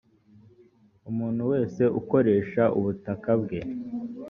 umuntu wese ukoresha ubutaka bwe.